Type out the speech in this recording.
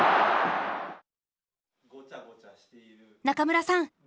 中村さん